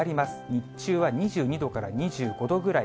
日中は２２度から２５度ぐらい。